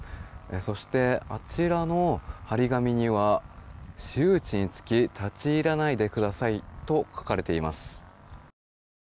そして、あちらの貼り紙には私有地につき立ち入らないでくださいと書かれています。